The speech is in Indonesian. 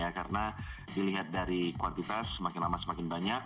karena dilihat dari kuantitas semakin lama semakin banyak